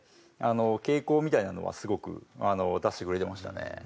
傾向みたいなのはすごく出してくれてましたね。